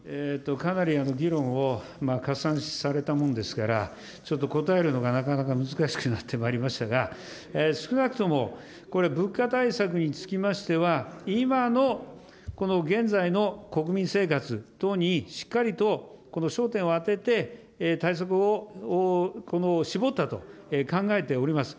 かなり議論を加算されたものですから、ちょっと答えるのがなかなか難しくなってまいりましたが、少なくとも、これ、物価対策につきましては、今の、この現在の国民生活等にしっかりと焦点を当てて対策を、この絞ったと考えております。